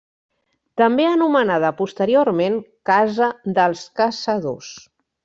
També anomenada posteriorment Casa dels Caçadors.